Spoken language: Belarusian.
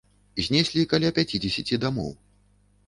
Знеслі каля пяцідзесяці дамоў.